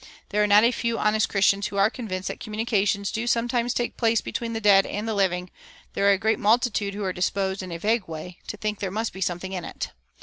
There are not a few honest Christians who are convinced that communications do sometimes take place between the dead and the living; there are a great multitude who are disposed, in a vague way, to think there must be something in it.